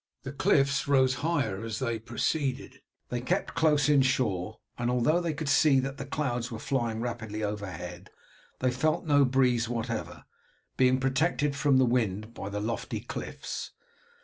The cliffs rose higher as they proceeded. They kept closer inshore, and although they could see that the clouds were flying rapidly overhead they felt no breeze whatever, being protected from the wind by the lofty cliffs.